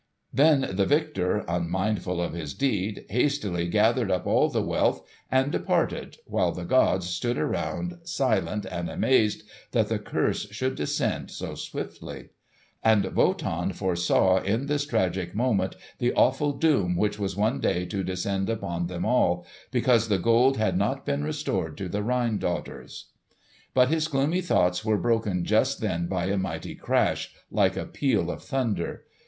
Then the victor, unmindful of his deed, hastily gathered up all the wealth and departed, while the gods stood around silent and amazed that the curse should descend so swiftly. And Wotan foresaw in this tragic moment the awful doom which was one day to descend upon them all, because the Gold had not been restored to the Rhine Daughters. But his gloomy thoughts were broken just then by a mighty crash, like a peal of thunder.